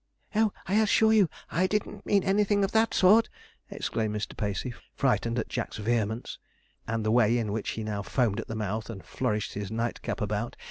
'Oh, I assure you, I didn't mean anything of that sort,' exclaimed Mr. Pacey, frightened at Jack's vehemence, and the way in which he now foamed at the mouth, and flourished his nightcap about.